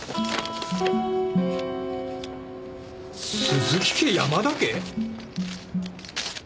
鈴木家山田家！？